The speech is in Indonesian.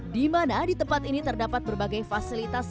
di mana di tempat ini terdapat berbagai fasilitas